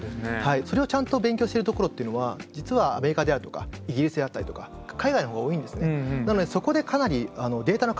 それをちゃんと勉強してるところっていうのは実はアメリカであるとかイギリスであったりとか海外の方が多いんですね。